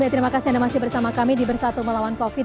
terima kasih anda masih bersama kami di bersatu melawan covid